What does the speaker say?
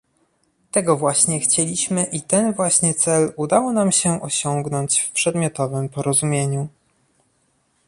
Tego właśnie chcieliśmy i ten waśnie cel udało nam się osiągnąć w przedmiotowym porozumieniu